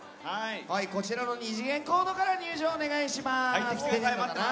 こちらの二次元コードから入場をお願いします。